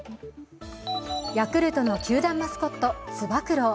ヤクルトの球団マスコットつば九郎。